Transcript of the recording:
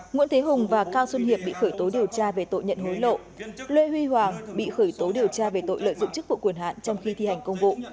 nguyễn thế hùng và cao xuân hiệp bị khởi tố điều tra về tội nhận hối lộ lê huy hoàng bị khởi tố điều tra về tội lợi dụng chức vụ quyền hạn trong khi thi hành công vụ